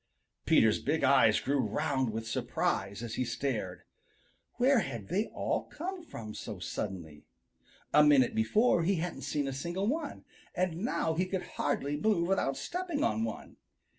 Peter's big eyes grew round with surprise as he stared. Where had they all come from so suddenly? A minute before he hadn't seen a single one, and now he could hardly move without stepping on one.